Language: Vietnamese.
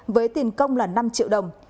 với tiền công là năm triệu đồng